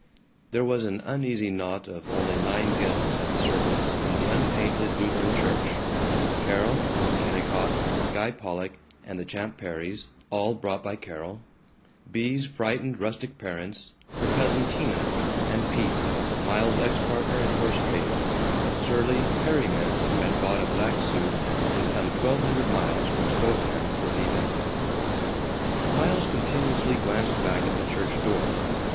There was an uneasy knot of only nine guests at the service in the unpainted Lutheran Church Carol, Kennicott, Guy Pollock, and the Champ Perrys, all brought by Carol; Bea's frightened rustic parents, her cousin Tina, and Pete, Miles's ex partner in horse trading, a surly, hairy man who had bought a black suit and come twelve hundred miles from Spokane for the event. Miles continuously glanced back at the church door.